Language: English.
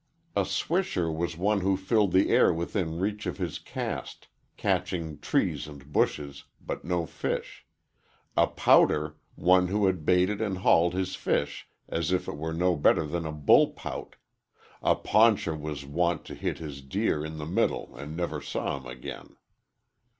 A swisher was one who filled the air within reach of his cast, catching trees and bushes, but no fish; a pouter, one who baited and hauled his fish as if it were no better than a bull pout; a pauncher was wont to hit his deer "in the middle" and never saw him again.